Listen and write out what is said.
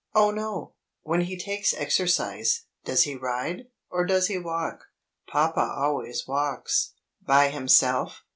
"Oh no!" "When he takes exercise, does he ride? or does he walk?" "Papa always walks." "By himself?"